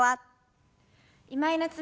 今井菜津美です。